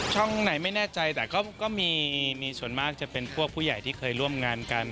ไหนไม่แน่ใจแต่ก็มีส่วนมากจะเป็นพวกผู้ใหญ่ที่เคยร่วมงานกัน